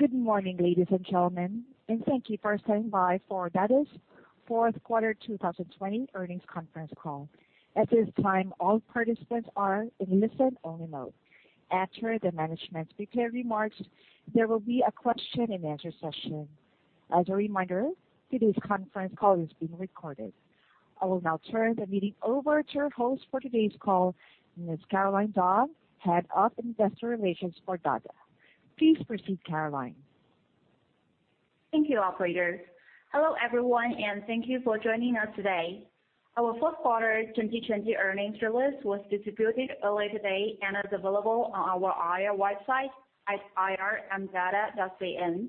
Good morning, ladies and gentlemen, and thank you for standing by for Dada's fourth quarter 2020 earnings conference call. At this time, all participants are in listen-only mode. After the management's prepared remarks, there will be a question and answer session. As a reminder, today's conference call is being recorded. I will now turn the meeting over to your host for today's call, Ms. Caroline Dong, Head of Investor Relations for Dada. Please proceed, Caroline. Thank you, operator. Hello, everyone, and thank you for joining us today. Our fourth quarter 2020 earnings release was distributed earlier today and is available on our IR website at ir.dada.cn,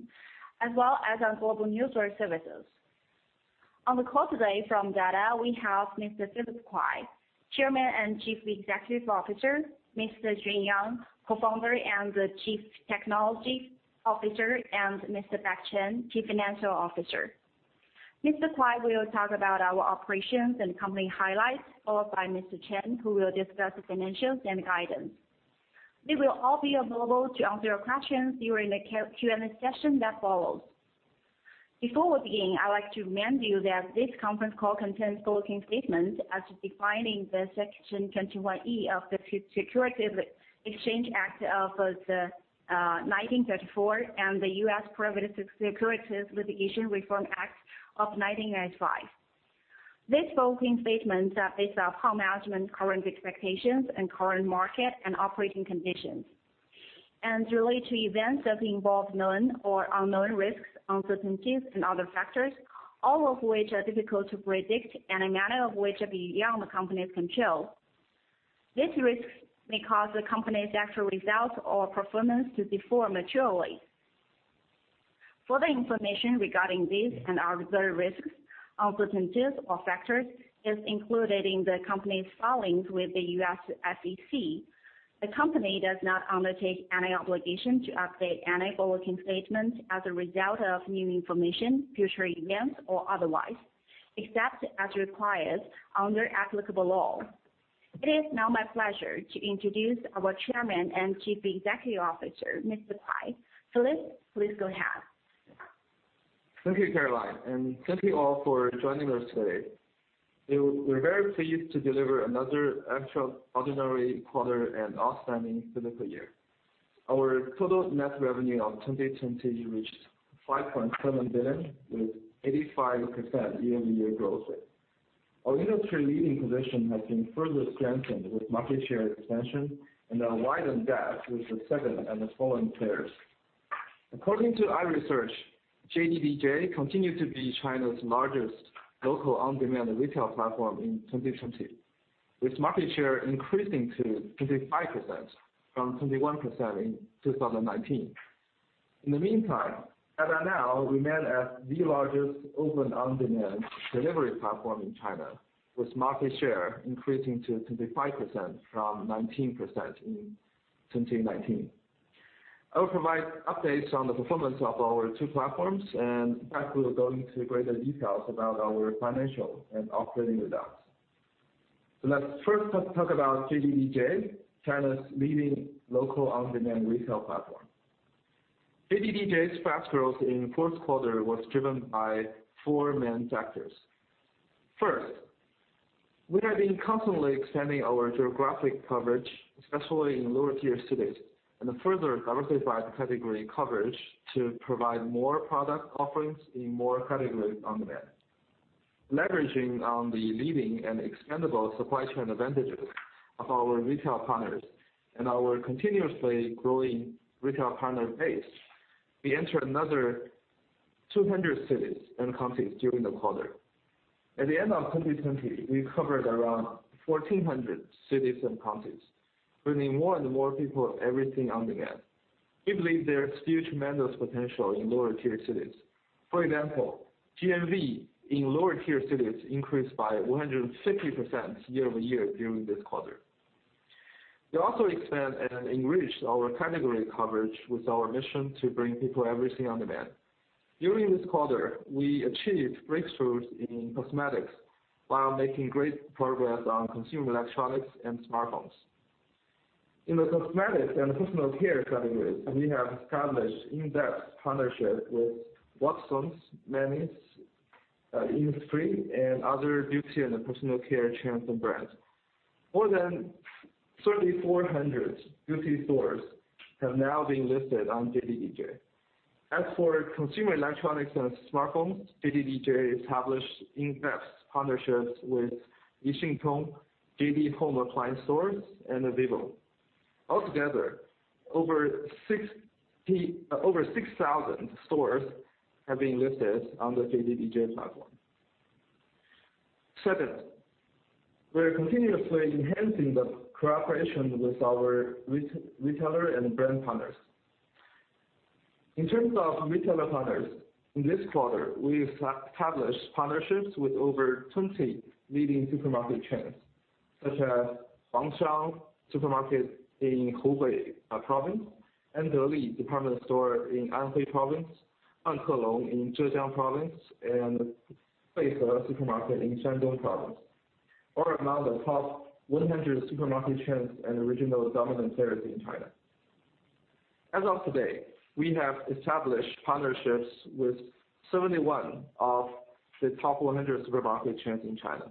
as well as on global news wire services. On the call today from Dada, we have Mr. Philip Kuai, Chairman and Chief Executive Officer, Mr. J. Yang, Co-founder and the Chief Technology Officer, and Mr. Beck Chen, Chief Financial Officer. Mr. Kuai will talk about our operations and company highlights, followed by Mr. Chen, who will discuss the financials and guidance. They will all be available to answer your questions during the Q&A session that follows. Before we begin, I would like to remind you that this conference call contains forward-looking statements as defining the Section 21E of the Securities Exchange Act of 1934 and the U.S. Private Securities Litigation Reform Act of 1995. These forward-looking statements are based on how management's current expectations and current market and operating conditions, and relate to events that involve known or unknown risks, uncertainties and other factors, all of which are difficult to predict and many of which are beyond the company's control. These risks may cause the company's actual results or performance to differ materially. Further information regarding these and other risks, uncertainties or factors is included in the company's filings with the U.S. SEC. The company does not undertake any obligation to update any forward-looking statements as a result of new information, future events or otherwise, except as required under applicable law. It is now my pleasure to introduce our Chairman and Chief Executive Officer, Mr. Kuai. Philip, please go ahead. Thank you, Caroline. Thank you all for joining us today. We're very pleased to deliver another extraordinary quarter and outstanding fiscal year. Our total net revenue of 2020 reached 5.7 billion with 85% year-over-year growth rate. Our industry-leading position has been further strengthened with market share expansion and a widened gap with the second and the following players. According to iResearch, JDDJ continued to be China's largest local on-demand retail platform in 2020, with market share increasing to 25% from 21% in 2019. In the meantime, as at now, we remain as the largest open on-demand delivery platform in China, with market share increasing to 25% from 19% in 2019. I will provide updates on the performance of our two platforms. Beck will go into greater details about our financial and operating results. Let's first talk about JDDJ, China's leading local on-demand retail platform. JDDJ's fast growth in the fourth quarter was driven by four main factors. First, we have been constantly expanding our geographic coverage, especially in lower-tier cities, and further diversified category coverage to provide more product offerings in more categories on demand. Leveraging on the leading and expandable supply chain advantages of our retail partners and our continuously growing retail partner base, we entered another 200 cities and counties during the quarter. At the end of 2020, we covered around 1,400 cities and counties, bringing more and more people everything on demand. We believe there is still tremendous potential in lower-tier cities. For example, GMV in lower-tier cities increased by 150% year-over-year during this quarter. We also expand and enrich our category coverage with our mission to bring people everything on demand. During this quarter, we achieved breakthroughs in cosmetics while making great progress on consumer electronics and smartphones. In the cosmetics and personal care categories, we have established in-depth partnerships with Watsons, Mannings, Innisfree, and other beauty and personal care channels and brands. More than 3,400 beauty stores have now been listed on JDDJ. As for consumer electronics and smartphones, JDDJ established in-depth partnerships with Dixintong, JD Home Appliance stores and Vivo. Altogether, over 6,000 stores have been listed on the JDDJ platform. Second, we're continuously enhancing the cooperation with our retailer and brand partners. In terms of retailer partners, in this quarter, we established partnerships with over 20 leading supermarket chains, such as Wushang Supermarket in Hubei province, Andeli Department Store in Anhui province, Ankelong in Zhejiang province, and Feixa Supermarket in Shandong province. Amount of top 100 supermarket chains and regional dominant players in China. As of today, we have established partnerships with 71 of the top 100 supermarket chains in China.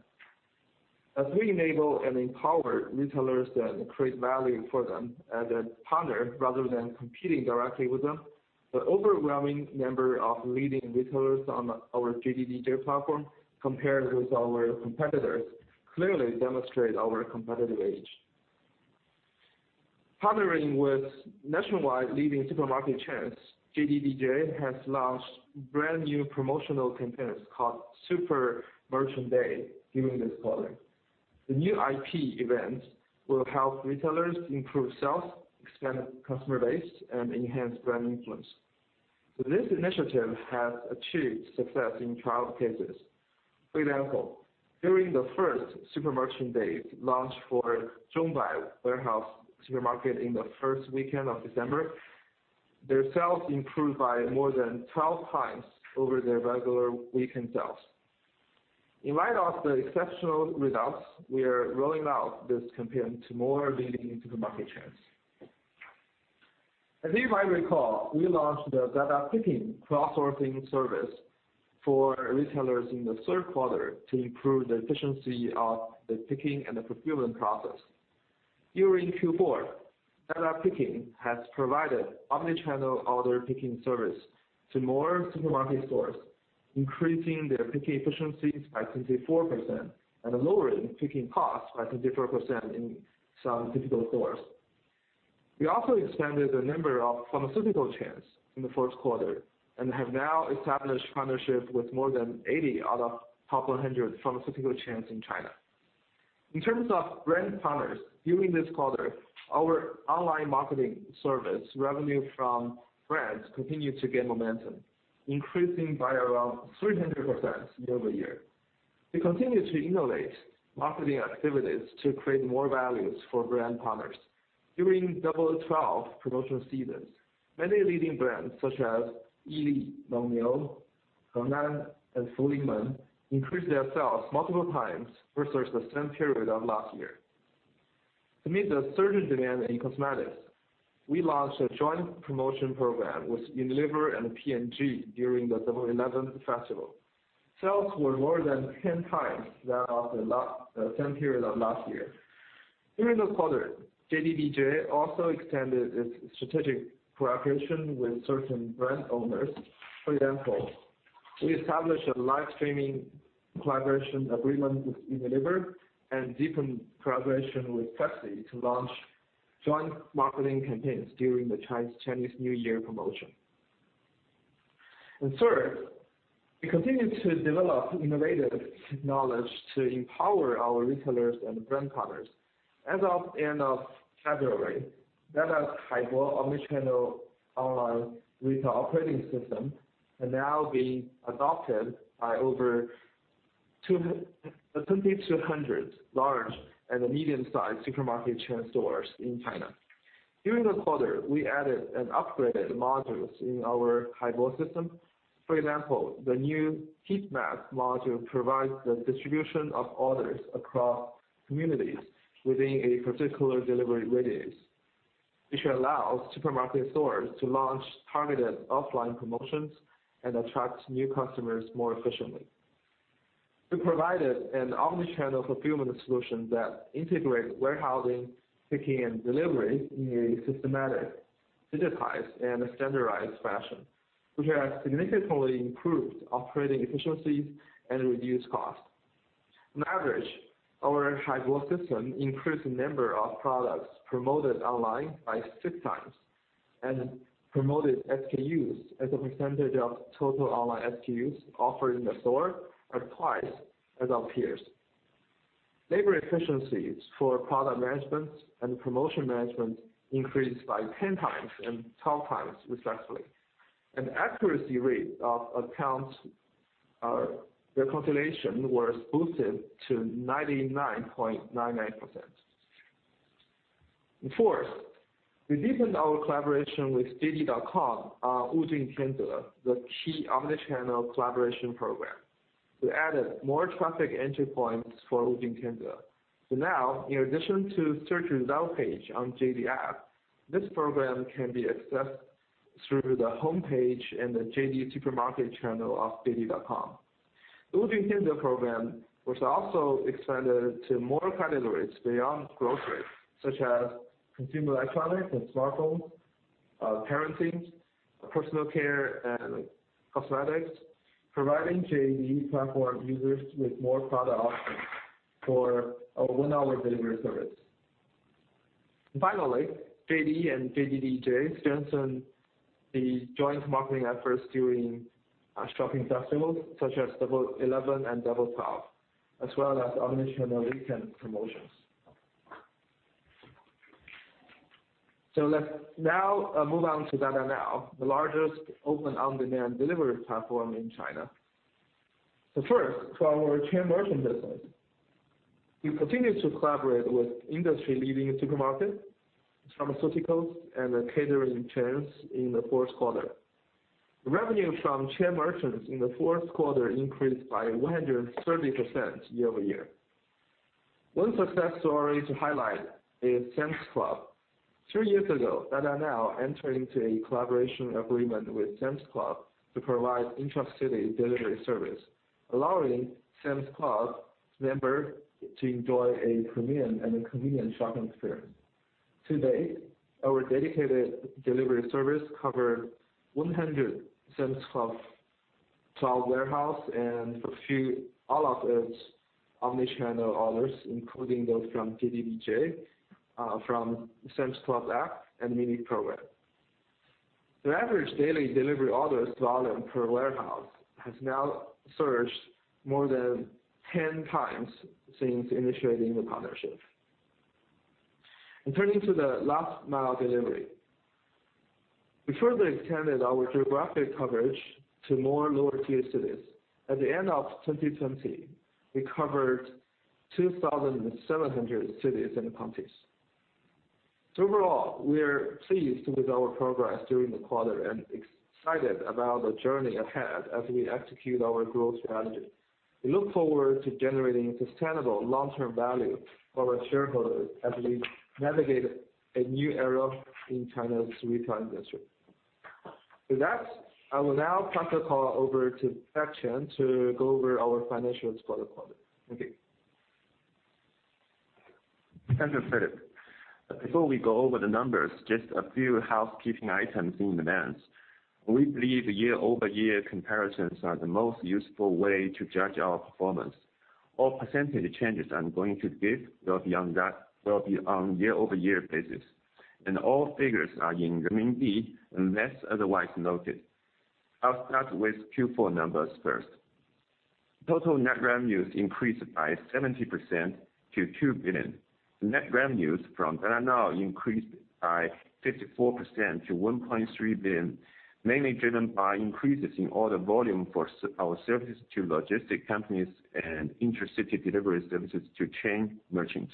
As we enable and empower retailers that create value for them as a partner rather than competing directly with them, the overwhelming number of leading retailers on our JDDJ platform compared with our competitors, clearly demonstrate our competitive edge. Partnering with nationwide leading supermarket chains, JDDJ has launched brand-new promotional campaigns called Super Merchant Day during this quarter. The new IP event will help retailers improve sales, expand customer base, and enhance brand influence. This initiative has achieved success in trial cases. For example, during the first Super Merchant Day launch for Zhongbai Warehouse Supermarket in the first weekend of December, their sales improved by more than 12 times over their regular weekend sales. In light of the exceptional results, we are rolling out this campaign to more leading supermarket chains. As you might recall, we launched the Dada Picking crowdsourcing service for retailers in the third quarter to improve the efficiency of the picking and the fulfillment process. During Q4, Dada Picking has provided omni-channel order picking service to more supermarket stores, increasing their picking efficiencies by 24% and lowering picking costs by 24% in some typical stores. We also expanded the number of pharmaceutical chains in the fourth quarter and have now established partnership with more than 80 out of top 100 pharmaceutical chains in China. In terms of brand partners, during this quarter, our online marketing service revenue from brands continued to gain momentum, increasing by around 300% year-over-year. We continue to innovate marketing activities to create more values for brand partners. During Double 12 promotion seasons, many leading brands such as Yili, Mengniu, Hengan and Fuling increased their sales multiple times versus the same period of last year. To meet the surging demand in cosmetics, we launched a joint promotion program with Unilever and P&G during the Double 11 festival. Sales were more than 10x that of the same period of last year. During this quarter, JDDJ also extended its strategic collaboration with certain brand owners. For example, we established a live streaming collaboration agreement with Unilever and deepened collaboration with Pepsi to launch joint marketing campaigns during the Chinese New Year promotion. Third, we continue to develop innovative technology to empower our retailers and brand partners. As of end of February, Dada's Haibo omni-channel online retail operating system are now being adopted by over 2,200 large and medium-sized supermarket chain stores in China. During this quarter, we added and upgraded modules in our Haibo system. For example, the new heat map module provides the distribution of orders across communities within a particular delivery radius, which allows supermarket stores to launch targeted offline promotions and attract new customers more efficiently. We provided an omni-channel fulfillment solution that integrates warehousing, picking, and delivery in a systematic, digitized, and standardized fashion, which has significantly improved operating efficiencies and reduced costs. On average, our Haibo system increased the number of products promoted online by 6x, and promoted SKUs as a percentage of total online SKUs offered in the store are twice as our peers. Labor efficiencies for product management and promotion management increased by 10x and 12x respectively, and accuracy rate of accounts reconciliation was boosted to 99.99%. Fourth, we deepened our collaboration with JD.com on Wujing Tianze, the key omni-channel collaboration program. We added more traffic entry points for Wujing Tianze. Now, in addition to search result page on JD app, this program can be accessed through the homepage and the JD Supermarket channel of JD.com. The Wujing Tianze program was also expanded to more categories beyond groceries, such as consumer electronics and smartphones, parenting, personal care and cosmetics, providing JD platform users with more product options for our one-hour delivery service. Finally, JD and JDDJ strengthened the joint marketing efforts during shopping festivals such as Double 11 and Double 12, as well as omni-channel weekend promotions. Let's now move on to Dada Now, the largest open on-demand delivery platform in China. First, to our chain merchant business. We continued to collaborate with industry-leading supermarket, pharmaceuticals, and catering chains in the fourth quarter. Revenue from chain merchants in the fourth quarter increased by 130% year-over-year. One success story to highlight is Sam's Club. three years ago, Dada Now entered into a collaboration agreement with Sam's Club to provide intra-city delivery service, allowing Sam's Club members to enjoy a premium and convenient shopping experience. Today, our dedicated delivery service covers 100 Sam's Club cloud warehouse and fulfill all of its omni-channel orders, including those from JDDJ, from Sam's Club app, and mini program. The average daily delivery orders volume per warehouse has now surged more than 10 times since initiating the partnership. Turning to the last mile delivery. We further extended our geographic coverage to more lower tier cities. At the end of 2020, we covered 2,700 cities and counties. Overall, we are pleased with our progress during the quarter and excited about the journey ahead as we execute our growth strategy. We look forward to generating sustainable long-term value for our shareholders as we navigate a new era in China's retail industry. With that, I will now pass the call over to Beck Chen to go over our financial spotlight. Thank you. Thank you, Philip. Before we go over the numbers, just a few housekeeping items and demands. We believe year-over-year comparisons are the most useful way to judge our performance. All percentage changes I'm going to give will be on year-over-year basis, and all figures are in CNY unless otherwise noted. I'll start with Q4 numbers first. Total net revenues increased by 70% to 2 billion. Net revenues from Dada Now increased by 54% to 1.3 billion, mainly driven by increases in order volume for our services to logistic companies and intra-city delivery services to chain merchants.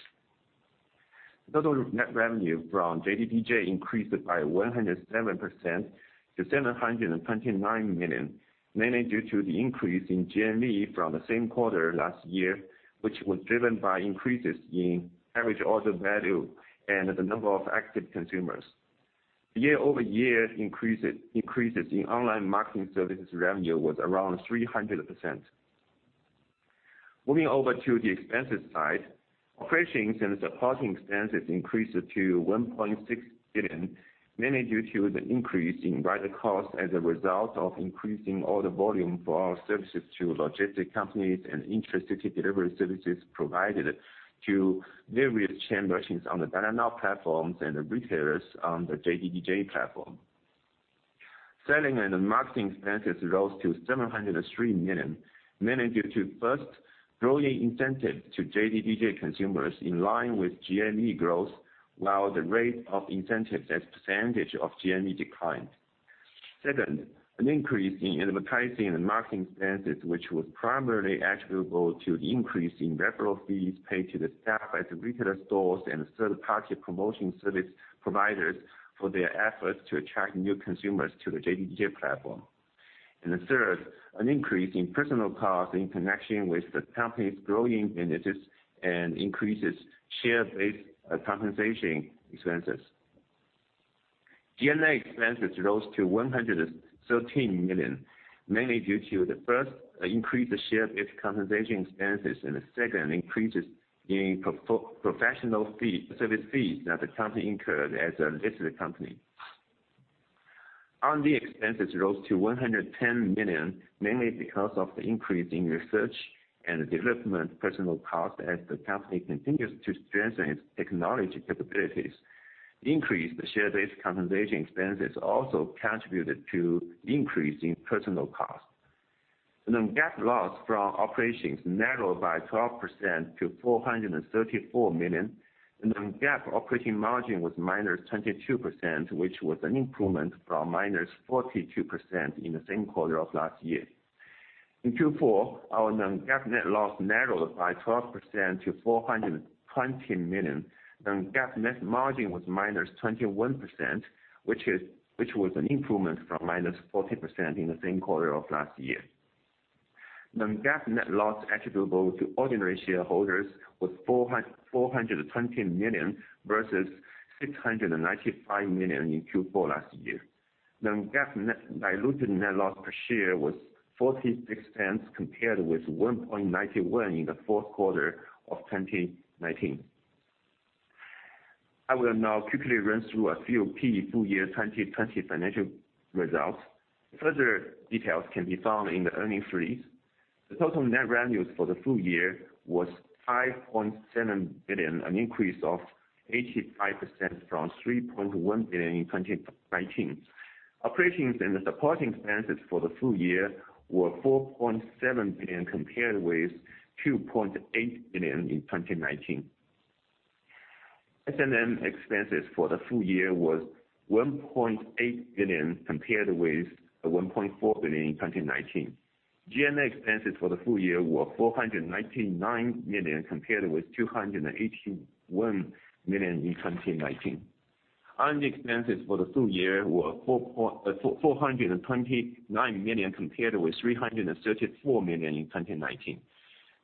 Total net revenue from JDDJ increased by 107% to 729 million, mainly due to the increase in GMV from the same quarter last year, which was driven by increases in average order value and the number of active consumers. The year-over-year increases in online marketing services revenue was around 300%. Moving over to the expenses side. Operations and supporting expenses increased to 1.6 billion, mainly due to the increase in rider cost as a result of increasing order volume for our services to logistic companies and intra-city delivery services provided to various chain merchants on the Dada Now platforms and the retailers on the JDDJ platform. Selling and marketing expenses rose to 703 million, mainly due to, first, growing incentives to JDDJ consumers in line with GMV growth, while the rate of incentives as a percentage of GMV declined. Second, an increase in advertising and marketing expenses, which was primarily attributable to the increase in referral fees paid to the staff at the retailer stores and third-party promotion service providers for their efforts to attract new consumers to the JDDJ platform. And third, an increase in personal costs in connection with the company's growing business and increases share-based compensation expenses. G&A expenses rose to 113 million, mainly due to the, first, increased share-based compensation expenses, and second, increases in professional service fees that the company incurred as a listed company. R&D expenses rose to 110 million, mainly because of the increase in research and development personal costs as the company continues to strengthen its technology capabilities. Increased share-based compensation expenses also contributed to increase in personal cost. The non-GAAP loss from operations narrowed by 12% to 434 million. The non-GAAP operating margin was -22%, which was an improvement from -42% in the same quarter of last year. In Q4, our non-GAAP net loss narrowed by 12% to 420 million. Non-GAAP net margin was -21%, which was an improvement from -14% in the same quarter of last year. Non-GAAP net loss attributable to ordinary shareholders was 420 million, versus 695 million in Q4 last year. Non-GAAP diluted net loss per share was 0.46, compared with 1.91 in the fourth quarter of 2019. I will now quickly run through a few key full year 2020 financial results. Further details can be found in the earnings release. The total net revenues for the full year was 5.7 billion, an increase of 85% from 3.1 billion in 2019. Operations and the supporting expenses for the full year were 4.7 billion, compared with 2.8 billion in 2019. S&M expenses for the full year was 1.8 billion, compared with 1.4 billion in 2019. G&A expenses for the full year were 499 million, compared with 281 million in 2019. R&D expenses for the full year were 429 million compared with 334 million in 2019.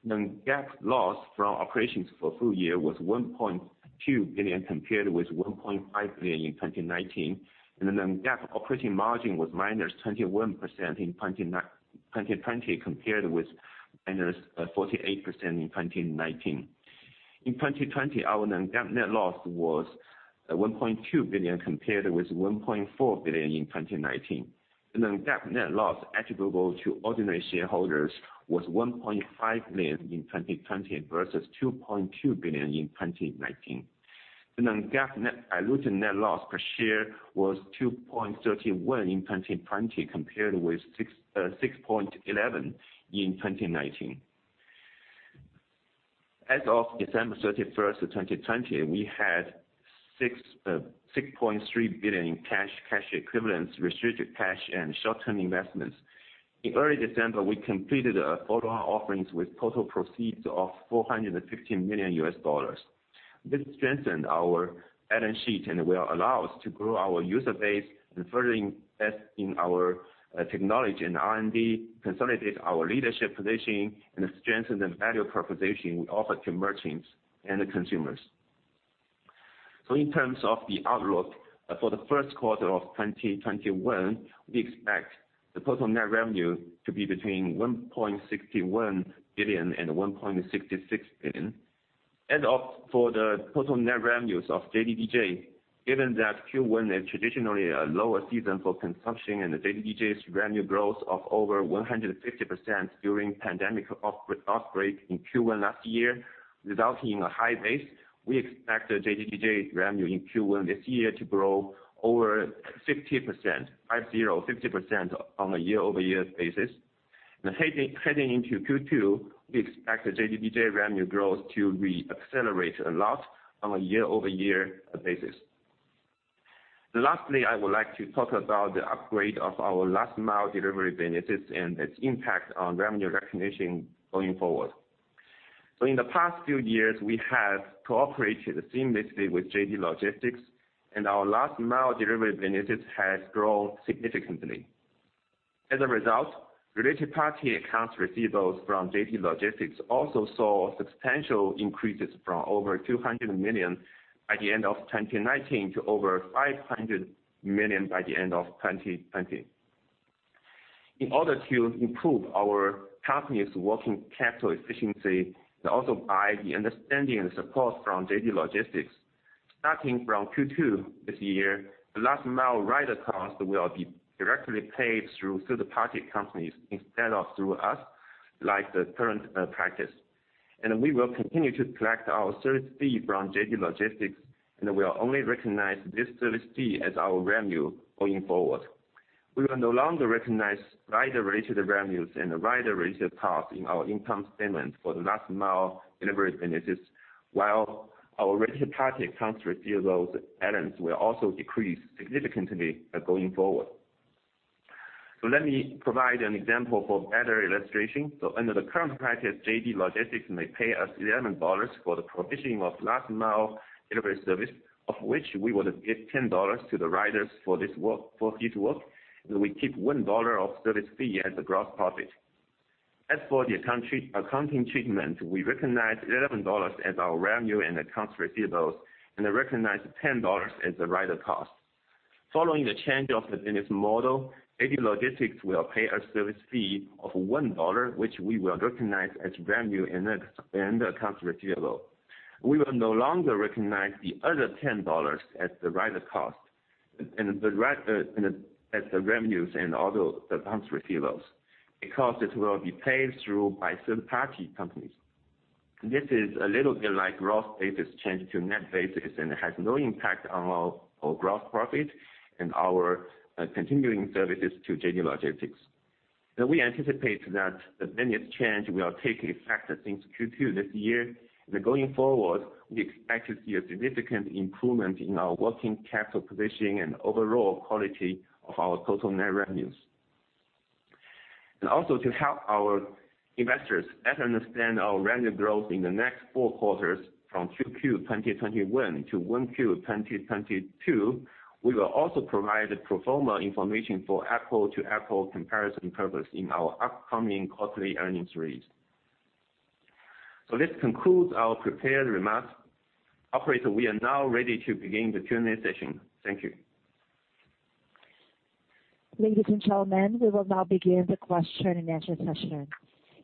Non-GAAP loss from operations for the full year was 1.2 billion compared with 1.5 billion in 2019. The non-GAAP operating margin was -21% in 2020 compared with -48% in 2019. In 2020, our non-GAAP net loss was 1.2 billion compared with 1.4 billion in 2019. The non-GAAP net loss attributable to ordinary shareholders was 1.5 billion in 2020 versus 2.2 billion in 2019. The non-GAAP diluted net loss per share was 2.31 in 2020 compared with 6.11 in 2019. As of December 31st of 2020, we had 6.3 billion in cash equivalents, restricted cash, and short-term investments. In early December, we completed our offerings with total proceeds of $415 million. This strengthened our balance sheet and will allow us to grow our user base and further invest in our technology and R&D, consolidate our leadership position, and strengthen the value proposition we offer to merchants and consumers. In terms of the outlook for the first quarter of 2021, we expect the total net revenue to be between 1.61 billion and 1.66 billion. As for the total net revenues of JDDJ, given that Q1 is traditionally a lower season for consumption and the JDDJ's revenue growth of over 150% during pandemic outbreak in Q1 last year, resulting in a high base, we expect the JDDJ revenue in Q1 this year to grow over 50% on a year-over-year basis. Heading into Q2, we expect the JDDJ revenue growth to re-accelerate a lot on a year-over-year basis. Lastly, I would like to talk about the upgrade of our last-mile delivery benefits and its impact on revenue recognition going forward. In the past few years, we have cooperated seamlessly with JD Logistics, and our last-mile delivery benefits has grown significantly. As a result, related party accounts receivables from JD Logistics also saw substantial increases from over 200 million at the end of 2019 to over 500 million by the end of 2020. In order to improve our company's working capital efficiency and also by the understanding and support from JD Logistics, starting from Q2 this year, the last-mile rider cost will be directly paid through third-party companies instead of through us, like the current practice. We will continue to collect our service fee from JD Logistics, and we will only recognize this service fee as our revenue going forward. We will no longer recognize rider-related revenues and rider-related costs in our income statement for the last-mile delivery benefits, while our related party accounts receivables balance will also decrease significantly going forward. Let me provide an example for better illustration. Under the current practice, JD Logistics may pay us CNY 11 for the provisioning of last-mile delivery service, of which we would give CNY 10 to the riders for this work, and we keep CNY 1 of service fee as a gross profit. As for the accounting treatment, we recognize CNY 11 as our revenue and accounts receivables and recognize CNY 10 as the rider cost. Following the change of the business model, JD Logistics will pay a service fee of CNY 1, which we will recognize as revenue and accounts receivable. We will no longer recognize the other CNY 10 as the revenues and also the accounts receivables, because it will be paid through by third-party companies. This is a little bit like gross basis change to net basis and has no impact on our gross profit and our continuing services to JD Logistics. We anticipate that the business change will take effect since Q2 this year. Going forward, we expect to see a significant improvement in our working capital position and overall quality of our total net revenues. Also to help our investors better understand our revenue growth in the next four quarters from 2Q 2021 to 1Q 2022, we will also provide pro forma information for apple-to-apple comparison purpose in our upcoming quarterly earnings release. This concludes our prepared remarks. Operator, we are now ready to begin the Q&A session. Thank you. Ladies and gentlemen, we will now begin the question-and-answer session.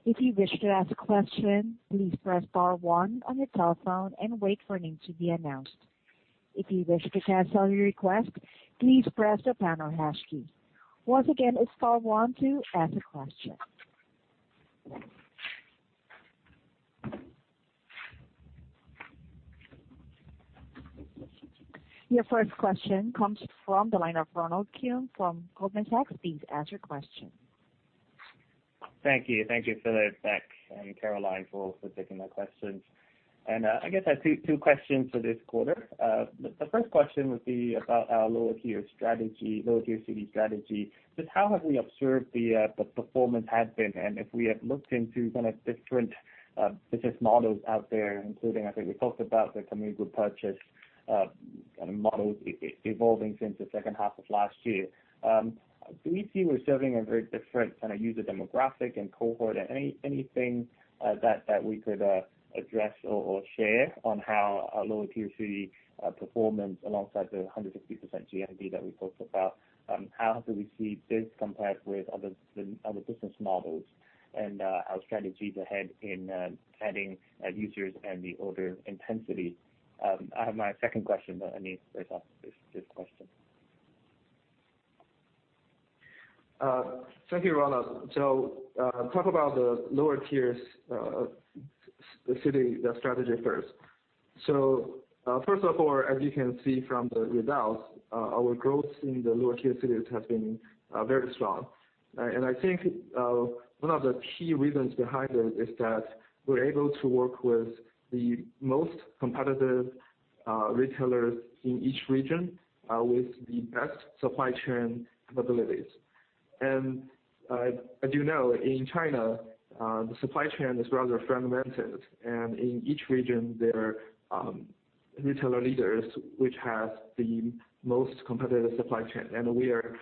If you wish to ask a question, please press star one on your telephone and wait for your name to be announced. If you wish to cancel your request, please press the pound or hash key. Once again, it's star one to ask a question. Your first question comes from the line of Ronald Keung from Goldman Sachs. Please ask your question. Thank you. Thank you, Philip, Beck, and Caroline for taking my questions. I guess I have two questions for this quarter. The first question would be about our lower tier city strategy. Just how have we observed the performance has been, and if we have looked into different business models out there, including, I think we talked about the community group purchase models evolving since the second half of last year. Do we see we're serving a very different kind of user demographic and cohort? Anything that we could address or share on how our lower tier city performance, alongside the 150% GMV that we talked about, how do we see this compared with other business models and our strategies ahead in adding users and the order intensity? I have my second question, I need to get this question. Thank you, Ronald. Talk about the lower tiers, the city strategy first. First of all, as you can see from the results, our growth in the lower tier cities has been very strong. I think one of the key reasons behind this is that we're able to work with the most competitive retailers in each region with the best supply chain capabilities. As you know, in China, the supply chain is rather fragmented. In each region, there are retailer leaders which have the most competitive supply chain. We are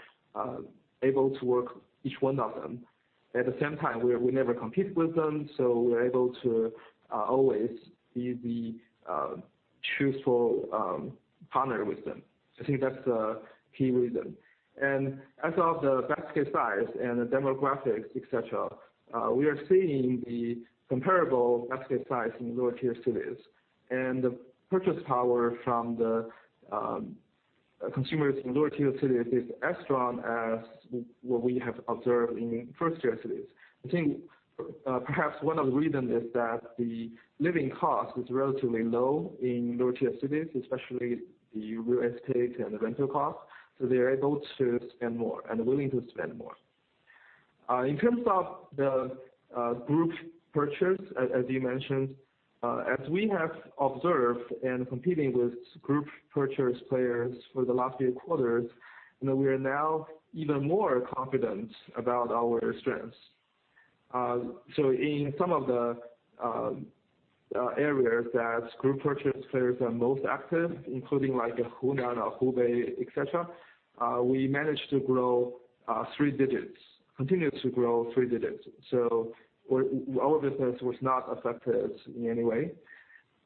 able to work with each one of them. At the same time, we never compete with them. We're able to always be the truthful partner with them. I think that's the key reason. As of the basket size and the demographics, et cetera, we are seeing the comparable basket size in lower tier cities. The purchase power from the consumers in lower tier cities is as strong as what we have observed in first tier cities. I think perhaps one of the reasons is that the living cost is relatively low in lower tier cities, especially the real estate and the rental cost. They're able to spend more and willing to spend more. In terms of the group purchase, as you mentioned, as we have observed and competing with group purchase players for the last few quarters, we are now even more confident about our strengths. In some of the areas that group purchase players are most active, including like Hunan or Hubei, et cetera, we managed to grow three digits, continue to grow three digits. Our business was not affected in any way.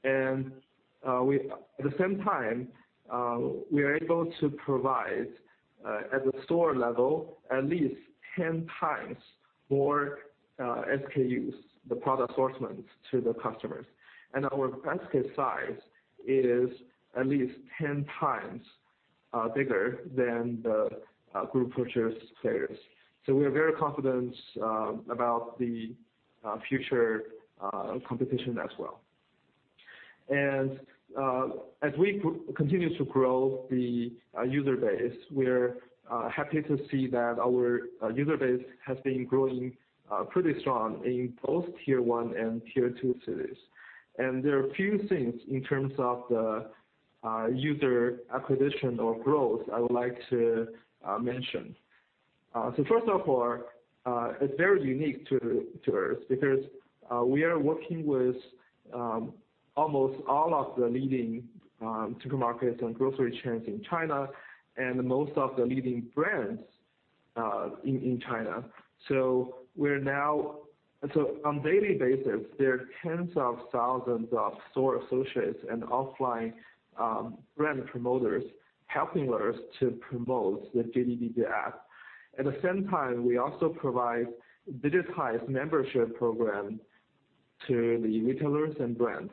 At the same time, we are able to provide, at the store level, at least 10x more SKUs, the product assortments to the customers. Our basket size is at least 10x bigger than the group purchase players. We are very confident about the future competition as well. As we continue to grow the user base, we're happy to see that our user base has been growing pretty strong in both tier 1 and tier 2 cities. There are a few things in terms of the user acquisition or growth I would like to mention. First of all, it's very unique to us because we are working with almost all of the leading supermarkets and grocery chains in China and most of the leading brands in China. On a daily basis, there are tens of thousands of store associates and offline brand promoters helping us to promote the JDDJ app. At the same time, we also provide digitized membership program to the retailers and brands.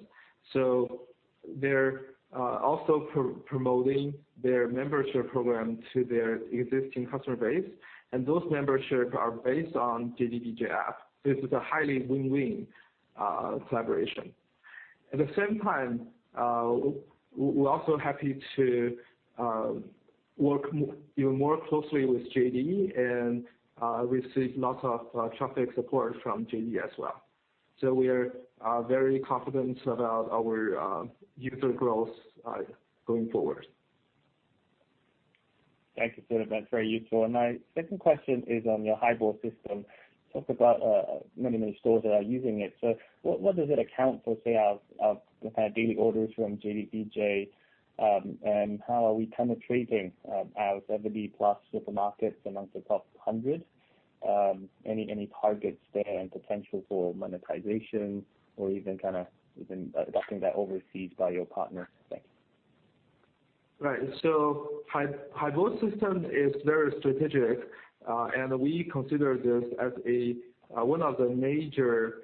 They're also promoting their membership program to their existing customer base, and those memberships are based on JDDJ app. This is a highly win-win collaboration. At the same time, we're also happy to work even more closely with JD and receive lots of traffic support from JD as well. We are very confident about our user growth going forward. Thank you, Philip. That's very useful. My second question is on your Haibo system. You talked about many stores that are using it. What does it account for, say, out of the kind of daily orders from JDDJ, and how are we penetrating our 70 plus supermarkets amongst the top 100? Any targets there and potential for monetization or even adopting that overseas by your partner? Thanks. Right. Haibo system is very strategic, and we consider this as one of the major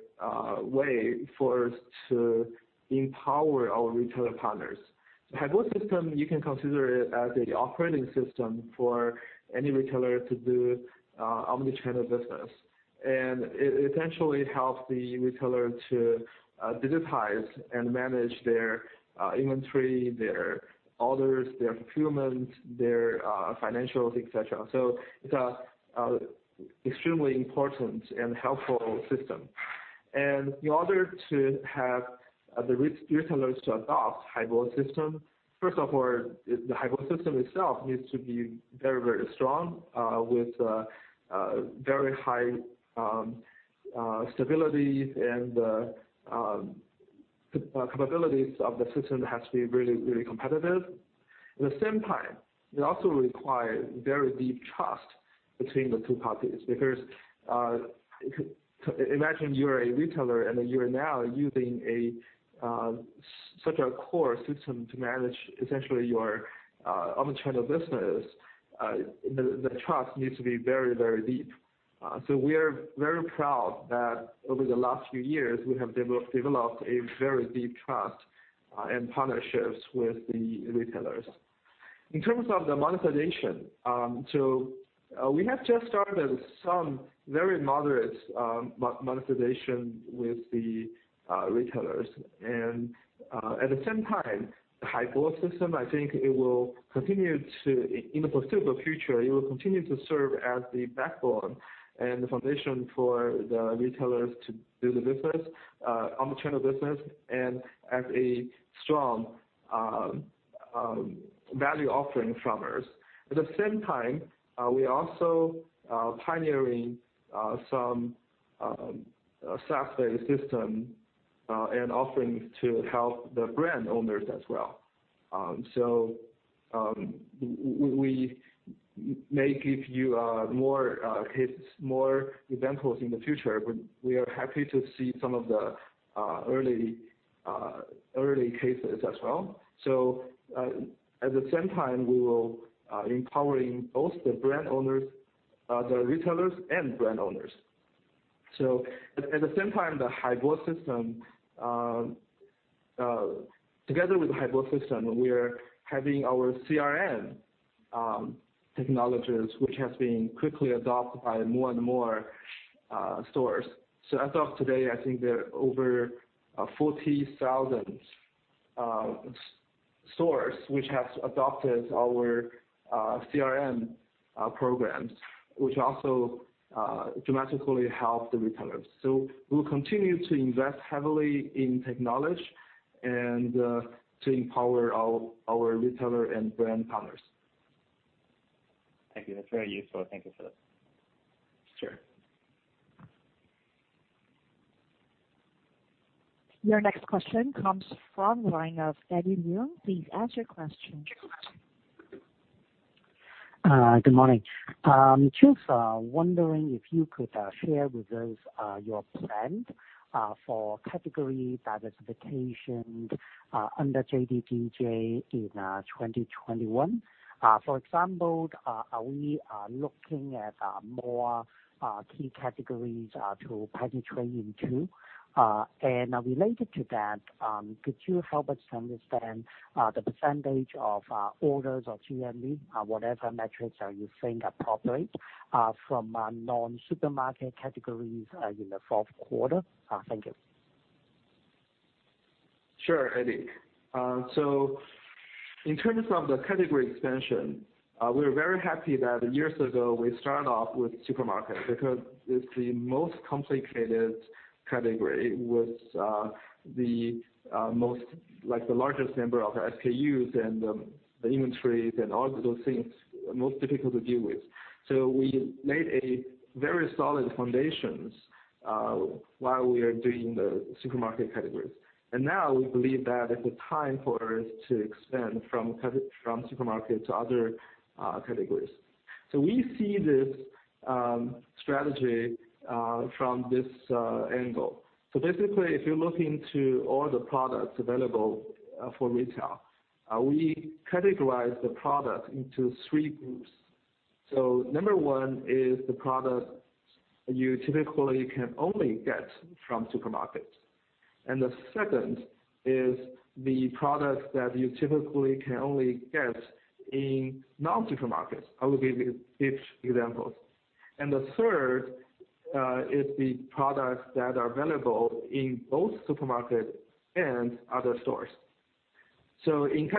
ways for us to empower our retailer partners. Haibo system, you can consider it as the operating system for any retailer to do omni-channel business. It essentially helps the retailer to digitize and manage their inventory, their orders, their fulfillment, their financials, et cetera. It's an extremely important and helpful system. In order to have the retailers to adopt Haibo system, first of all, the Haibo system itself needs to be very strong with very high stability and the capabilities of the system has to be really competitive. At the same time, it also requires very deep trust between the two parties, because imagine you're a retailer and then you're now using such a core system to manage essentially your omnichannel business, the trust needs to be very deep. We are very proud that over the last few years we have developed a very deep trust and partnerships with the retailers. In terms of the monetization. We have just started some very moderate monetization with the retailers. At the same time, the Haibo system, I think it will continue to, in the foreseeable future, it will continue to serve as the backbone and the foundation for the retailers to do the business, omnichannel business, and as a strong value offering from us. At the same time, we are also pioneering some SaaS-based system and offerings to help the brand owners as well. We may give you more cases, more examples in the future, but we are happy to see some of the early cases as well. At the same time, we will empowering both the retailers and brand owners. At the same time together with the Haibo system, we are having our CRM technologies, which has been quickly adopted by more and more stores. As of today, I think there are over 40,000 stores which have adopted our CRM programs, which also dramatically help the retailers. We'll continue to invest heavily in technology and to empower our retailer and brand partners. Thank you. That's very useful. Thank you for that. Sure. Your next question comes from the line of Eddie Leung. Please ask your question. Good morning. Just wondering if you could share with us your plan for category diversification under JDDJ in 2021. For example, are we looking at more key categories to penetrate into? Related to that, could you help us understand the percentage of orders or GMV, whatever metrics are you think appropriate, from non-supermarket categories in the fourth quarter? Thank you. Sure, Eddie. In terms of the category expansion, we are very happy that years ago we started off with supermarket because it's the most complicated category with the largest number of SKUs and the inventories and all of those things, most difficult to deal with. We made a very solid foundations while we are doing the supermarket categories. Now we believe that it's the time for us to expand from supermarket to other categories. We see this strategy from this angle. Basically, if you look into all the products available for retail, we categorize the product into three groups. Number one is the product you typically can only get from supermarket. The second is the product that you typically can only get in non-supermarkets. I will give you each examples. The third is the products that are available in both supermarket and other stores. In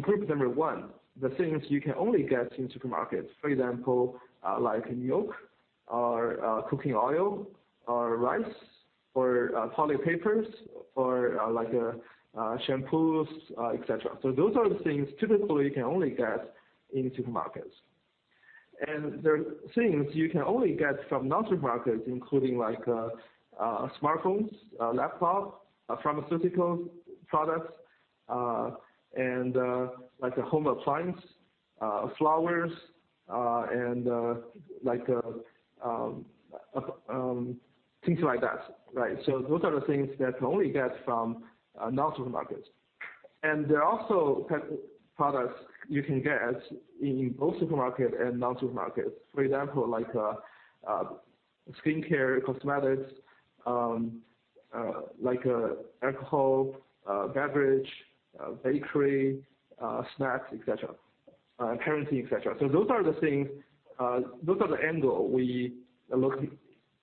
group number one, the things you can only get in supermarkets, for example, like milk or cooking oil or rice or toilet papers or like shampoos, et cetera. Those are the things typically you can only get in supermarkets. There are things you can only get from non-supermarkets, including like smartphones, laptop, pharmaceutical products, and like home appliance, flowers, and things like that. Right. Those are the things that you can only get from non-supermarkets. There are also products you can get in both supermarket and non-supermarkets, for example, like skincare, cosmetics, like alcohol, beverage, bakery, snacks, et cetera, confectionery, et cetera. Those are the angle we look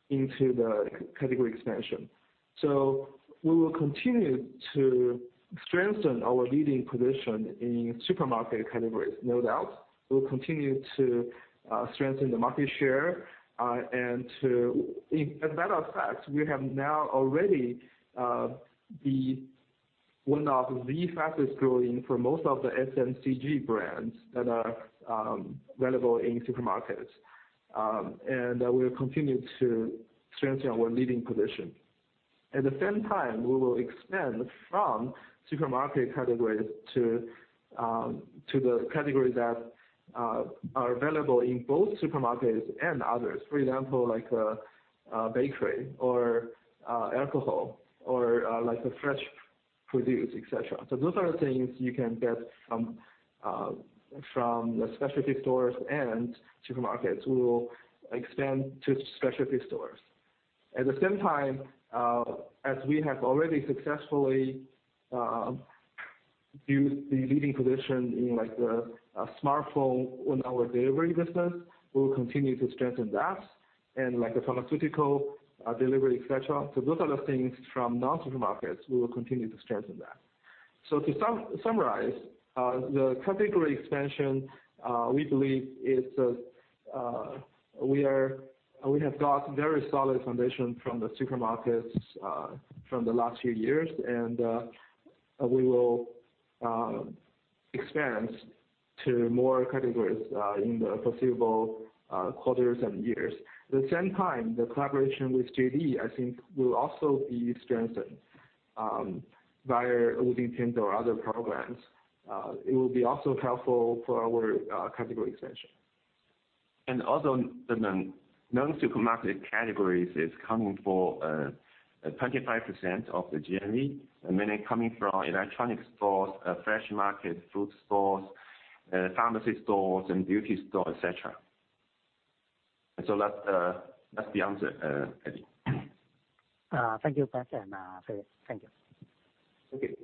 into the category expansion. We will continue to strengthen our leading position in supermarket categories, no doubt. We'll continue to strengthen the market share. As a matter of fact, we have now already one of the fastest-growing for most of the FMCG brands that are available in supermarkets. We'll continue to strengthen our leading position. At the same time, we will expand from supermarket categories to the categories that are available in both supermarkets and others. For example, like bakery or alcohol or fresh produce, et cetera. Those are the things you can get from the specialty stores and supermarkets. We will expand to specialty stores. At the same time, as we have already successfully built the leading position in the smartphone on our delivery business, we will continue to strengthen that and the pharmaceutical delivery, et cetera. Those are the things from non-supermarkets, we will continue to strengthen that. To summarize, the category expansion, we believe we have got very solid foundation from the supermarkets from the last few years, and we will expand to more categories in the foreseeable quarters and years. At the same time, the collaboration with JD, I think will also be strengthened via Wujing Tianze or other programs. It will be also helpful for our category expansion. The non-supermarket categories is accounting for 25% of the GMV, many coming from electronic stores, fresh market, food stores, pharmacy stores and beauty store, et cetera. That's the answer, Eddie. Thank you, Beck and Philip. Thank you. Thank you.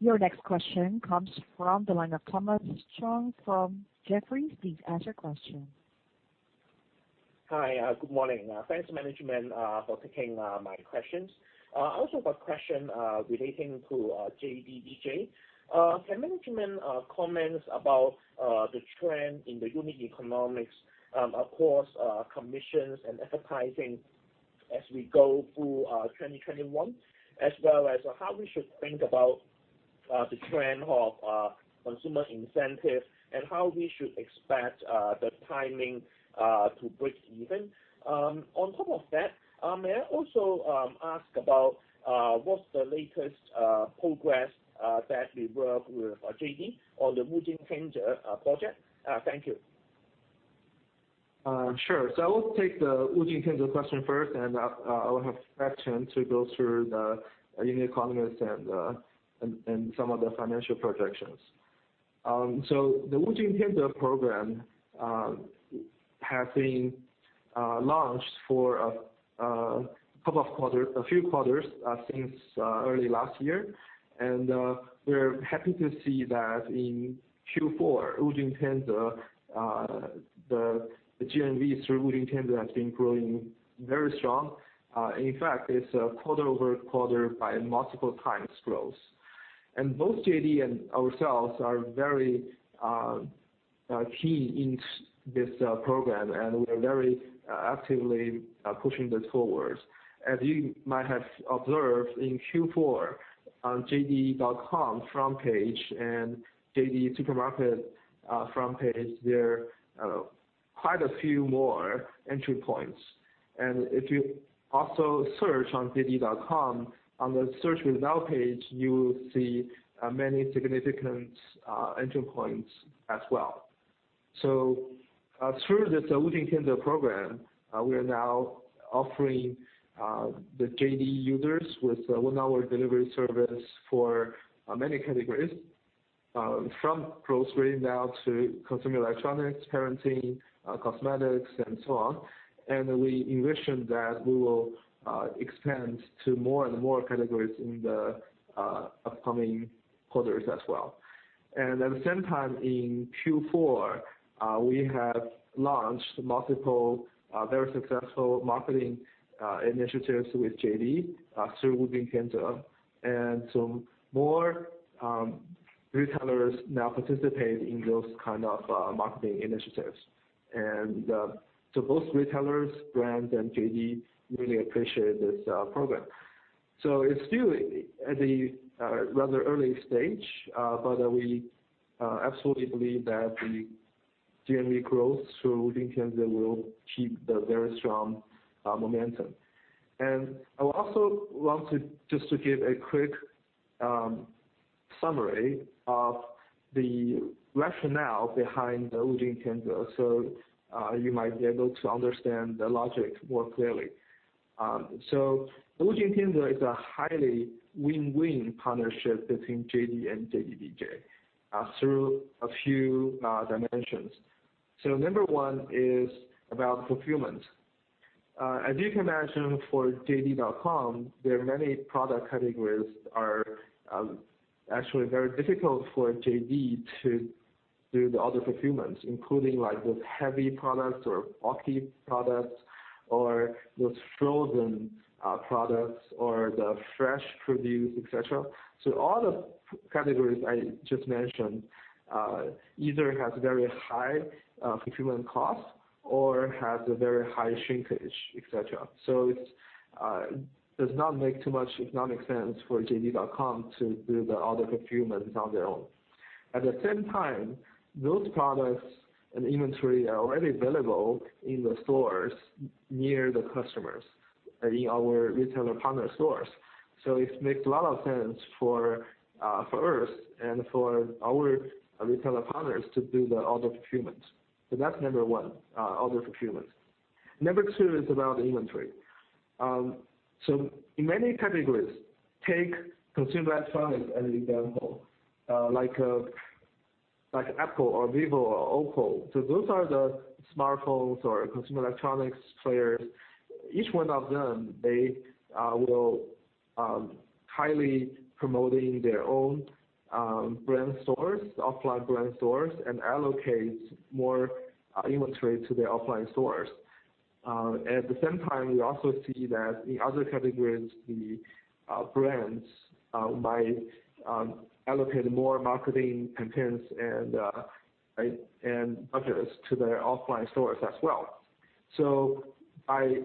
Your next question comes from the line of Thomas Chong from Jefferies. Please ask your question. Hi. Good morning. Thanks management for taking my questions. I also have a question relating to JDDJ. Can management comment about the trend in the unit economics of course, commissions and advertising as we go through 2021, as well as how we should think about the trend of consumer incentive and how we should expect the timing to break even? On top of that, may I also ask about what's the latest progress that you work with JD on the Wujing Tianze project? Thank you. Sure. I will take the Wujing Tianze question first, and I will have Beck Chen to go through the unit economics and some of the financial projections. We're happy to see that in Q4, Wujing Tianze, the GMV through Wujing Tianze has been growing very strong. In fact, it's a quarter-over-quarter by multiple times growth. Both JD.com and ourselves are very key in this program, and we are very actively pushing this forward. As you might have observed in Q4 on JD.com front page and JD Supermarket front page, there are quite a few more entry points. If you also search on JD.com on the search result page, you will see many significant entry points as well. Through this Wujing Tianze program, we are now offering the JD users with one-hour delivery service for many categories. From grocery now to consumer electronics, parenting, cosmetics and so on. We envision that we will expand to more and more categories in the upcoming quarters as well. At the same time, in Q4, we have launched multiple very successful marketing initiatives with JD through Wujing Tianze. More retailers now participate in those kind of marketing initiatives. Both retailers, brands and JD really appreciate this program. It's still at the rather early stage, but we absolutely believe that the GMV growth through Wujing Tianze will keep the very strong momentum. I would also want to just to give a quick summary of the rationale behind the Wujing Tianze, so you might be able to understand the logic more clearly. Wujing Tianze is a highly win-win partnership between JD and JDDJ through a few dimensions. Number one is about fulfillment. As you can imagine, for JD.com, there are many product categories that are actually very difficult for JD to do the order fulfillments, including those heavy products or bulky products, or those frozen products, or the fresh produce, et cetera. All the categories I just mentioned either have very high fulfillment costs or have a very high shrinkage, et cetera. It does not make too much economic sense for JD.com to do the order fulfillments on their own. At the same time, those products and inventory are already available in the stores near the customers, in our retailer partner stores. It makes a lot of sense for us and for our retailer partners to do the order fulfillments. That's number one, order fulfillments. Number two is about inventory. In many categories, take consumer electronics as an example, like Apple or Vivo or OPPO. Those are the smartphones or consumer electronics players. Each one of them, they will highly promote their own brand stores, offline brand stores, and allocate more inventory to their offline stores. At the same time, we also see that the other categories, the brands might allocate more marketing contents and budgets to their offline stores as well. By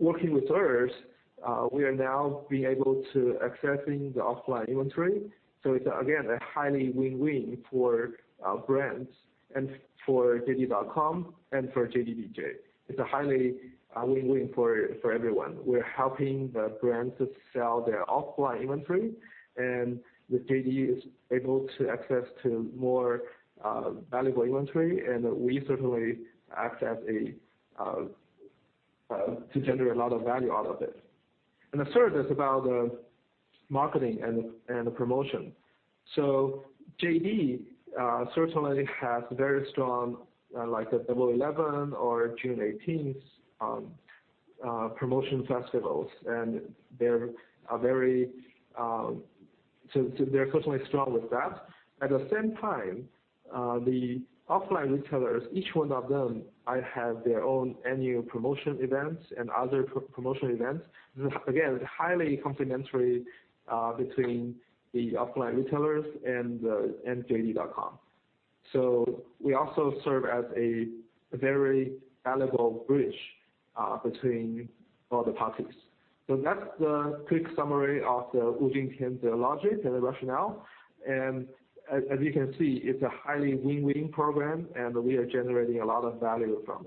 working with theirs, we are now being able to accessing the offline inventory. It's, again, a highly win-win for brands and for JD.com and for JDDJ. It's a highly win-win for everyone. We're helping the brands to sell their offline inventory, and JD is able to access to more valuable inventory, and we certainly act to generate a lot of value out of it. The third is about marketing and the promotion. JD certainly has very strong, like the Double 11 or June 18th promotion festivals, and they're certainly strong with that. At the same time, the offline retailers, each one of them have their own annual promotion events and other promotional events. Again, highly complementary between the offline retailers and JD.com. We also serve as a very valuable bridge between all the parties. That's the quick summary of the Wujing Tianze logic and the rationale. As you can see, it's a highly win-win program, and we are generating a lot of value from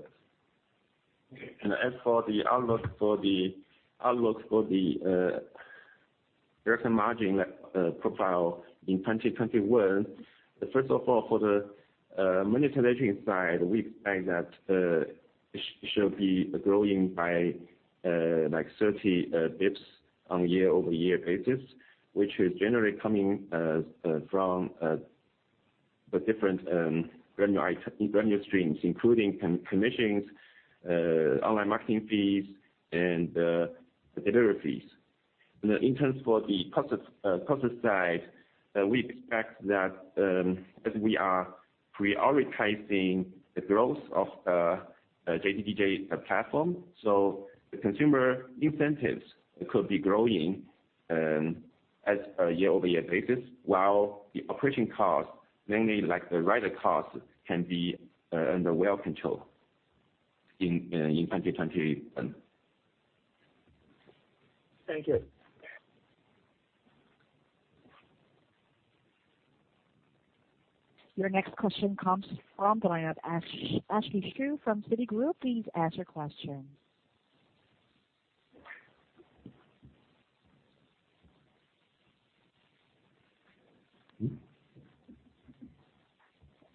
it. As for the outlook for the direct margin profile in 2021, first of all, for the monetization side, we find that it should be growing by 30 basis points on a year-over-year basis, which is generally coming from the different revenue streams, including commissions, online marketing fees, and the delivery fees. In terms for the process side, we expect that as we are prioritizing the growth of the JDDJ platform, so the consumer incentives could be growing as a year-over-year basis, while the operating costs, mainly like the rider costs, can be under well control in 2021. Thank you. Your next question comes from the line of Ashley Xu from Citigroup. Please ask your question.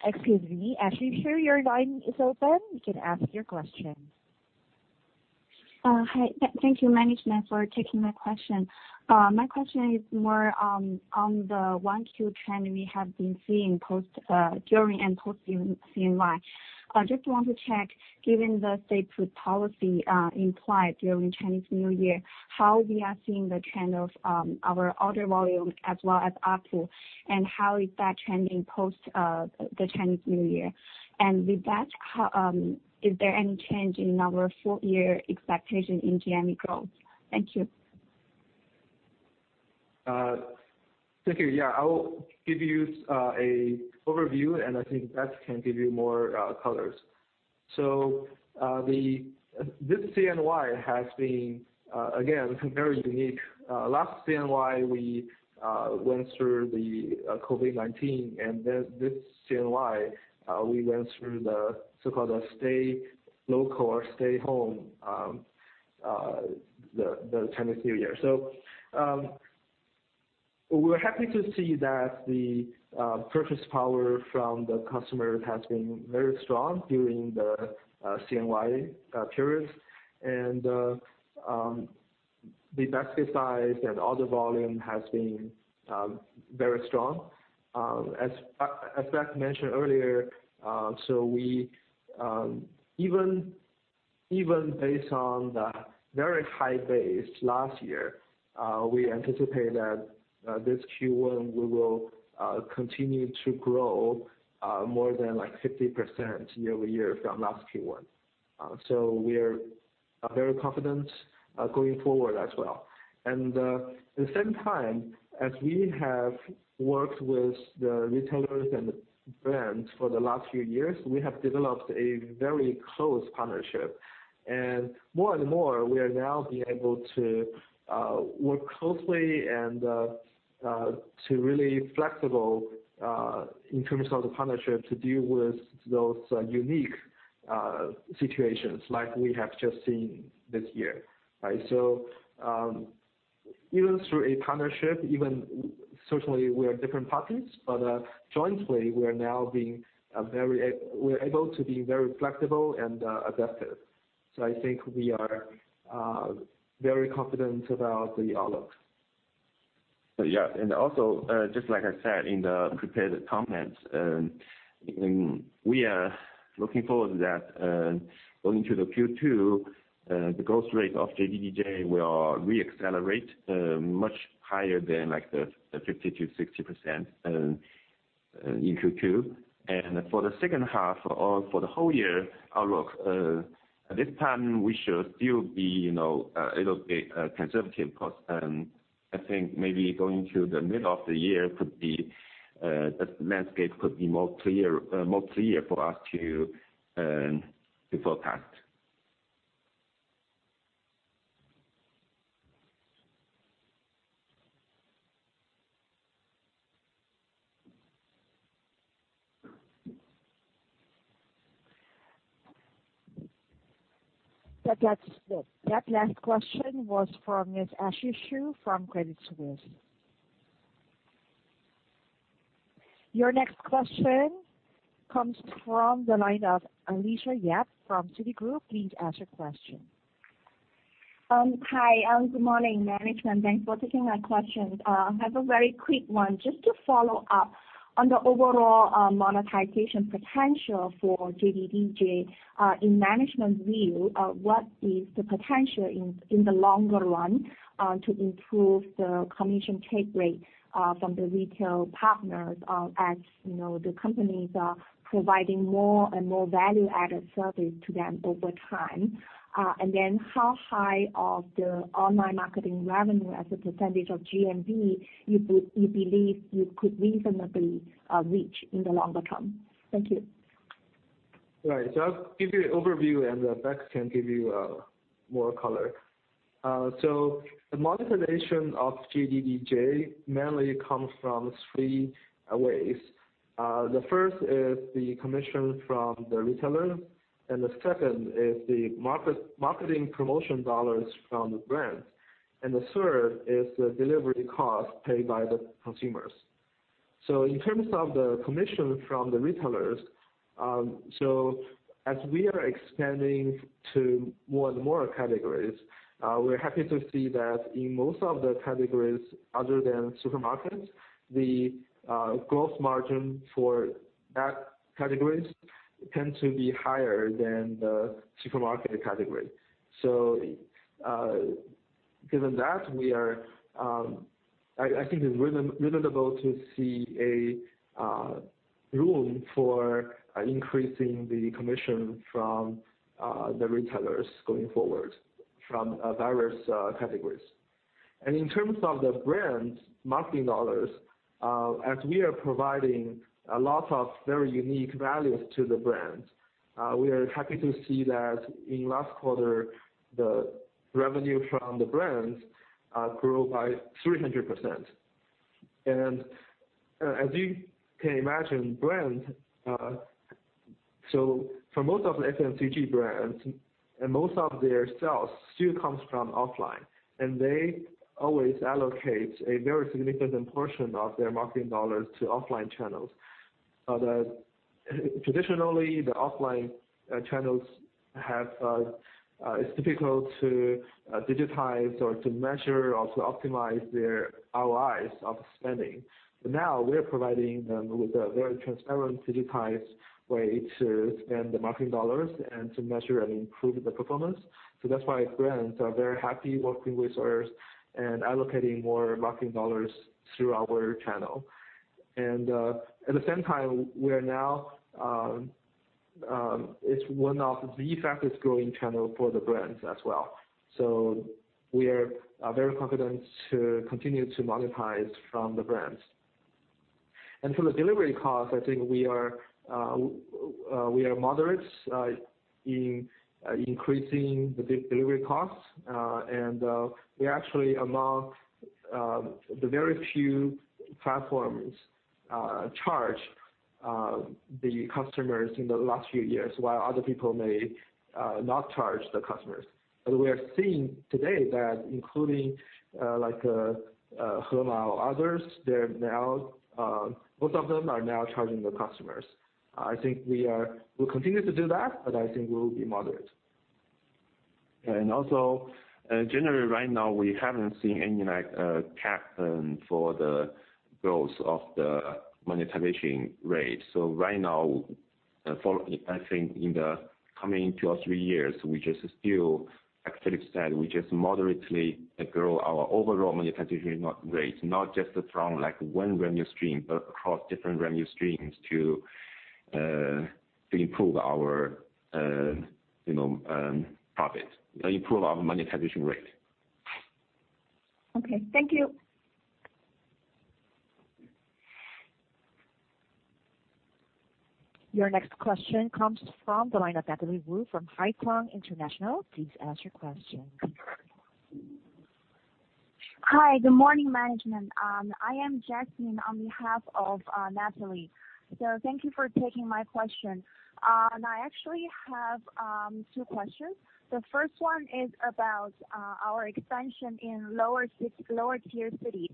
Excuse me, Ashley Xu, your line is open. You can ask your question. Hi. Thank you, management, for taking my question. My question is more on the 1Q trend we have been seeing during and post CNY. Just want to check, given the stay-put policy implied during Chinese New Year, how we are seeing the trend of our order volume as well as ARPU, and how is that trending post the Chinese New Year? With that, is there any change in our full-year expectation in GMV growth? Thank you. Thank you. Yeah, I will give you an overview, and I think Beck can give you more colors. This CNY has been, again, very unique. Last CNY, we went through the COVID-19. This CNY, we went through the so-called stay local or stay home, the Chinese New Year. We're happy to see that the purchase power from the customers has been very strong during the CNY periods. The basket size and order volume has been very strong. As Beck mentioned earlier, even based on the very high base last year, we anticipate that this Q1 we will continue to grow more than 50% year-over-year from last Q1. We are very confident going forward as well. The same time as we have worked with the retailers and the brands for the last few years, we have developed a very close partnership. More and more, we are now being able to work closely and to really flexible in terms of the partnership to deal with those unique situations like we have just seen this year. Right? Even through a partnership, even certainly we are different parties, but jointly, we are able to be very flexible and adaptive. I think we are very confident about the outlook. Also, just like I said in the prepared comments, we are looking forward that going into the Q2, the growth rate of JDDJ will re-accelerate much higher than the 50%-60% in Q2. For the second half or for the whole year outlook, at this time we should still be a little bit conservative because I think maybe going to the middle of the year, the landscape could be more clear for us to forecast. That last question was from Ms. Ashley Xu from Credit Suisse. Your next question comes from the line of Alicia Yap from Citigroup. Please ask your question. Hi, good morning, Management. Thanks for taking my questions. I have a very quick one. Just to follow up on the overall monetization potential for JDDJ. In management view, what is the potential in the longer run to improve the commission take rate from the retail partners as the companies are providing more and more value-added service to them over time? How high of the online marketing revenue as a percentage of GMV you believe you could reasonably reach in the longer term? Thank you. Right. I'll give you an overview and then Beck can give you more color. The monetization of JDDJ mainly comes from three ways. The first is the commission from the retailer, and the second is the marketing promotion dollars from the brands. The third is the delivery cost paid by the consumers. In terms of the commission from the retailers, as we are expanding to more and more categories, we're happy to see that in most of the categories other than supermarkets, the gross margin for that categories tend to be higher than the supermarket category. Given that, I think it's reasonable to see a room for increasing the commission from the retailers going forward from various categories. In terms of the brand marketing dollars, as we are providing a lot of very unique values to the brands, we are happy to see that in last quarter, the revenue from the brands grew by 300%. As you can imagine, for most of the FMCG brands, most of their sales still comes from offline, and they always allocate a very significant portion of their marketing dollars to offline channels. Although traditionally the offline channels, it is difficult to digitize or to measure or to optimize their ROIs of spending. Now we are providing them with a very transparent, digitized way to spend the marketing dollars and to measure and improve the performance. That is why brands are very happy working with us and allocating more marketing dollars through our channel. At the same time, it is one of the fastest-growing channel for the brands as well. We are very confident to continue to monetize from the brands. From the delivery cost, I think we are moderate in increasing the delivery costs. We are actually among the very few platforms charge the customers in the last few years, while other people may not charge the customers. We are seeing today that including Hema or others, both of them are now charging the customers. I think we'll continue to do that, but I think we'll be moderate. Also, generally right now, we haven't seen any cap for the growth of the monetization rate. Right now, I think in the coming two or three years, we just still, as Philip said, we just moderately grow our overall monetization rate, not just from one revenue stream, but across different revenue streams to improve our profit and improve our monetization rate. Okay. Thank you. Your next question comes from the line of Natalie Wu from Haitong International. Please ask your question. Hi, good morning, management. I am Jasmine on behalf of Natalie. Thank you for taking my question. I actually have two questions. The first one is about our expansion in lower-tier cities.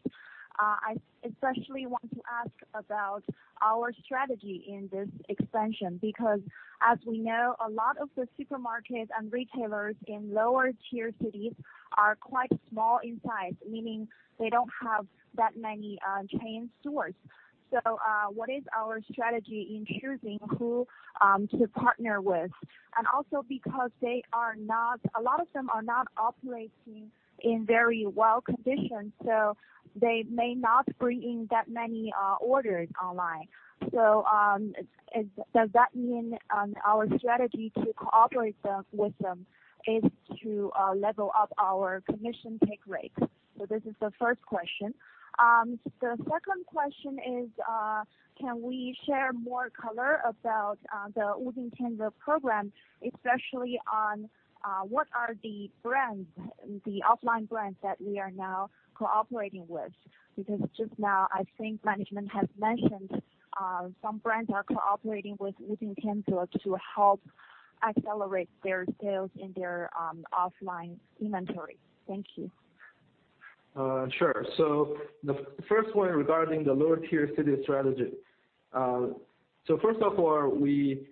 I especially want to ask about our strategy in this expansion, because as we know, a lot of the supermarkets and retailers in lower-tier cities are quite small in size, meaning they don't have that many chain stores. What is our strategy in choosing who to partner with? And also because a lot of them are not operating in very well condition, so they may not bring in that many orders online. Does that mean our strategy to cooperate with them is to level up our commission take rate? This is the first question. The second question is, can we share more color about the Wujing Tianze program, especially on what are the offline brands that we are now cooperating with? Because just now, I think management has mentioned some brands are cooperating with Wujing Tianze to help accelerate their sales in their offline inventory. Thank you. Sure. The first one regarding the lower-tier city strategy. First of all, we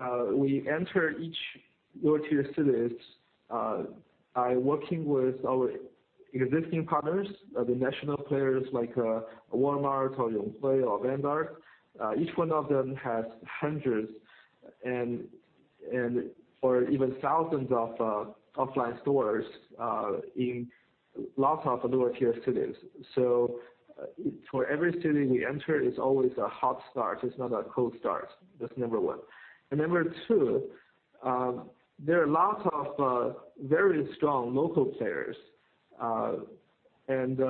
enter each lower-tier cities by working with our existing partners, the national players like Walmart or Yonghui or Vanguard. Each one of them has hundreds or even thousands of offline stores in lots of lower-tier cities. For every city we enter, it's always a hot start. It's not a cold start. That's number one. Number two, there are lots of very strong local players. We did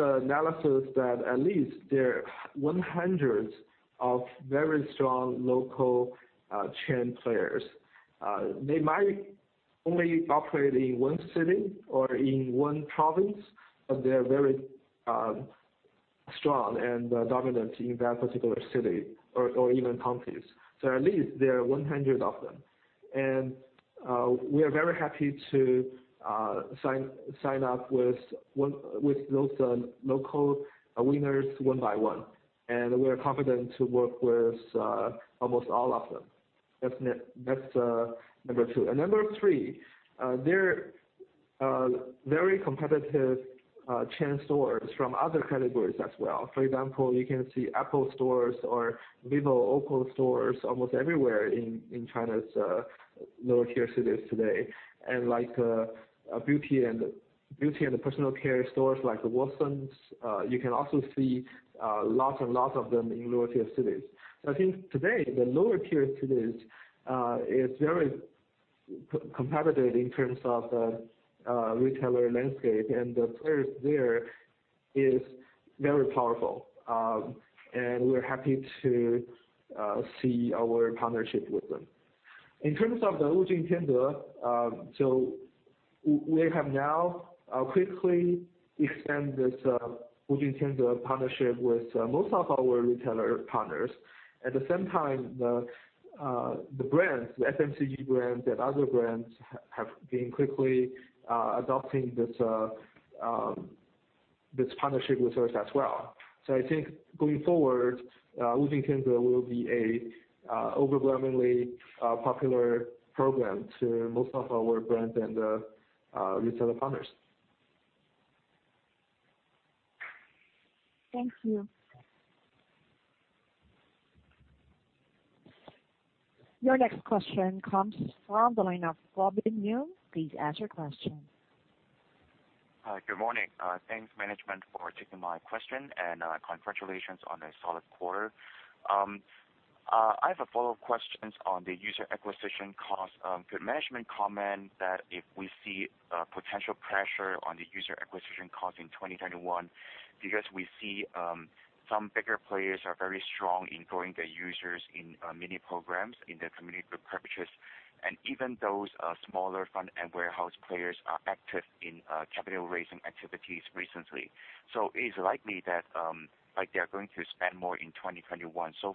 an analysis that at least there are 100 of very strong local chain players. They might only operate in one city or in one province, but they are very strong and dominant in that particular city or even counties. At least there are 100 of them. We are very happy to sign up with those local winners one by one. We are confident to work with almost all of them. That's number two. Number three, there are very competitive chain stores from other categories as well. For example, you can see Apple stores or Vivo, OPPO stores almost everywhere in China's lower-tier cities today. Beauty and personal care stores like the Watsons, you can also see lots and lots of them in lower-tier cities. I think today, the lower-tier cities is very competitive in terms of the retailer landscape, and the players there is very powerful. We're happy to see our partnership with them. In terms of the Wujing Tianze, we have now quickly extended this Wujing Tianze partnership with most of our retailer partners. At the same time, the brands, the FMCG brands and other brands, have been quickly adopting this partnership with us as well. I think going forward, Wujing Tianze will be a overwhelmingly popular program to most of our brands and retailer partners. Thank you. Your next question comes from the line of Robin Yu. Please ask your question. Good morning. Thanks management for taking my question, and congratulations on a solid quarter. I have a follow-up questions on the user acquisition cost. Could management comment that if we see potential pressure on the user acquisition cost in 2021, because we see some bigger players are very strong in growing their users in mini programs in their community group purchases, and even those smaller front-end warehouse players are active in capital raising activities recently. It is likely that they are going to spend more in 2021.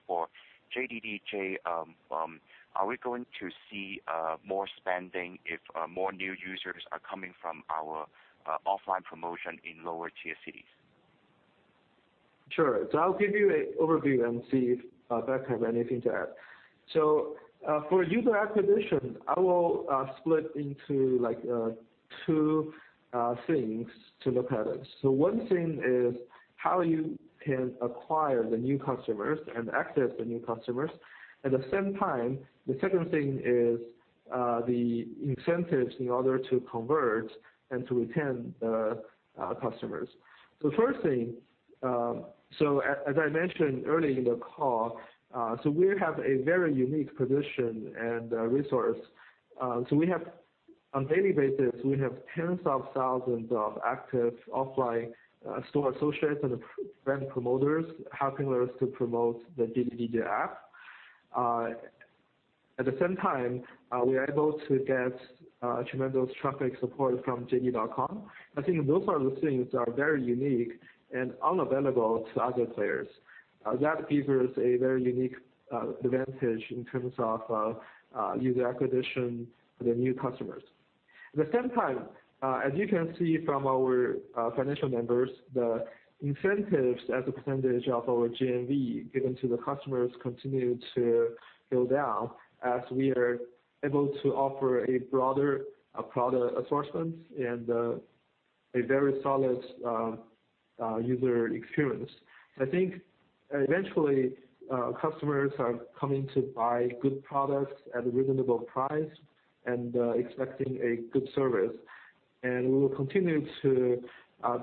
For JDDJ, are we going to see more spending if more new users are coming from our offline promotion in lower-tier cities? Sure. I'll give you an overview and see if Beck have anything to add. For user acquisition, I will split into two things to look at it. One thing is how you can acquire the new customers and access the new customers. At the same time, the second thing is the incentives in order to convert and to retain the customers. First thing, as I mentioned early in the call, we have a very unique position and resource. On daily basis, we have tens of thousands of active offline store associates and brand promoters helping us to promote the JDDJ app. At the same time, we are able to get tremendous traffic support from JD.com. I think those are the things that are very unique and unavailable to other players. That gives us a very unique advantage in terms of user acquisition for the new customers. At the same time, as you can see from our financial numbers, the incentives as a percentage of our GMV given to the customers continue to go down as we are able to offer a broader product assortment and a very solid user experience. I think eventually, customers are coming to buy good products at a reasonable price and expecting a good service. We will continue to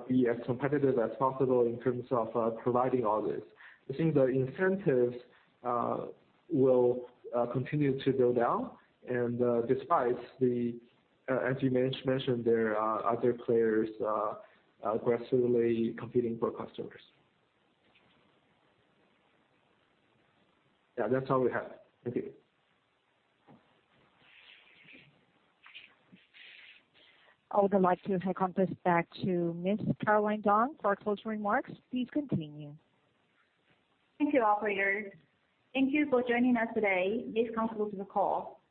be as competitive as possible in terms of providing all this. I think the incentives will continue to go down and despite the, as you mentioned, there are other players aggressively competing for customers. Yeah, that's all we have. Thank you. I would like to hand conference back to Ms. Caroline Dong for closing remarks. Please continue. Thank you, operator. Thank you for joining us today. This concludes the call.